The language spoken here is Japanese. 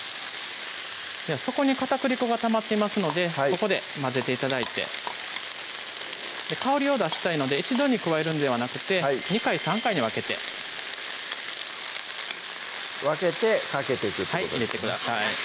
底に片栗粉がたまっていますのでここで混ぜて頂いて香りを出したいので一度に加えるんではなくて２回３回に分けて分けてかけていくってことはい入れてください